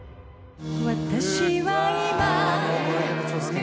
私は今